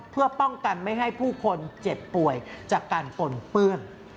เพื่อป้องกันไม่ให้ผู้คนเจ็บป่วยจากการปนเปื้อน